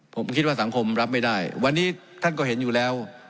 ผมคิดว่าสังคมรับไม่ได้วันนี้ท่านก็เห็นอยู่แล้ว